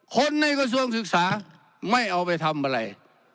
คนในกระทรวงศึกษาไม่เอาไปทำอะไร